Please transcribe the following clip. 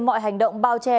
mọi hành động bao che